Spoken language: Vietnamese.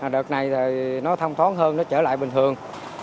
đợt này thì nó thong thoáng hơn nó trở lại bình thường